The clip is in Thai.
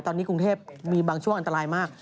ตอนนี้กรุงเทพมีบางช่วงอันตรายมาก